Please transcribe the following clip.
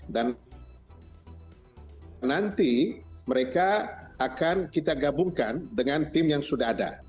dan nanti mereka akan kita gabungkan dengan tim yang sudah ada